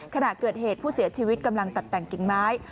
ขณะเกิดเหตุผู้เสียชีวิตกำลังตัดแต่งกิ่งไม้